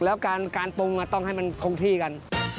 แล้วการปรุงต้องให้มันคงที่กัน